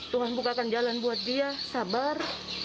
tuhan bukakan jalan buat dia sabar